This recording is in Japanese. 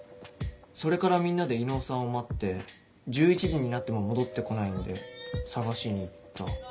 それからみんなで伊能さんを待って１１時になっても戻って来ないんで捜しに行った。